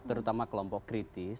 terutama kelompok kritis